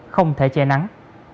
không thể che nắng